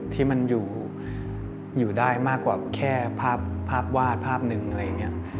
ที่มันอยู่ได้มากกว่าแค่ภาพวาดภาพหนึ่งอะไรอย่างนี้